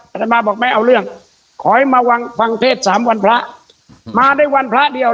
อาตมาบอกไม่เอาเรื่องขอให้มาวางฟังเพศสามวันพระมาได้วันพระเดียว